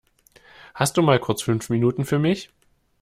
Hast du mal kurz fünf Minuten für mich?